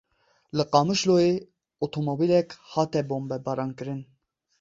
Li Qamişloyê otomobîlek hate bombebarankirin.